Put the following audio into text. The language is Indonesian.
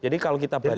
jadi kalau kita baca